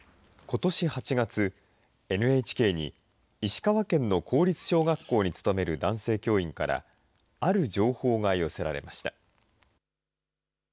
ことし８月、ＮＨＫに石川県の公立小学校に勤める男性教員から、ある情報が寄せられました。